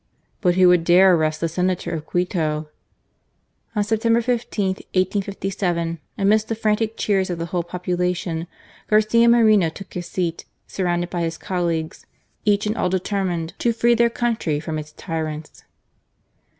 But who would dare arrest the Senator of Quito ? On September 15, 1857, amidst the frantic cheers of the whole population, Garcia Moreno took his seat, surrounded by his colleagues, each and all deter mined to free their country from its tryants.